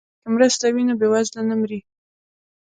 که مرسته وي نو بیوزله نه مري.